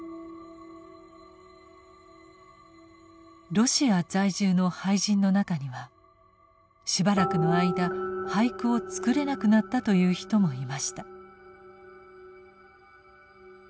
ロシア在住の俳人の中にはしばらくの間俳句を作れなくなったという人もいました。